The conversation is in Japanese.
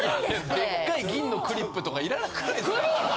でっかい銀のクリップとかいらなくないですか？